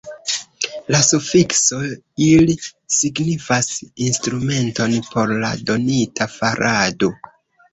La sufikso « il » signifas instrumenton por la donita farado.